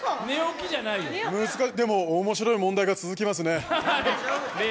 でも、面白い問題が続きますね。